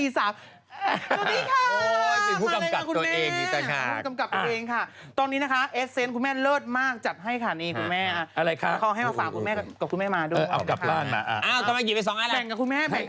สวัสดีค่ะมาแล้วกับคุณแม่ค่ะคุณแม่ค่ะคุณแม่ค่ะมีผู้กำกับตัวเอง